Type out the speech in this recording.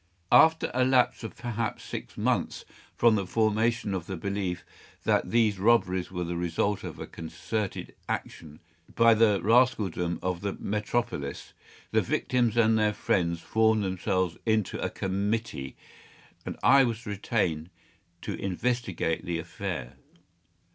After a lapse of perhaps six months from the formation of the belief that these robberies were the result of a concerted action by the rascaldom of the metropolis, the victims and their friends formed themselves into a committee, and I was retained to investigate the affair.